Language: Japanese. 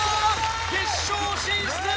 決勝進出！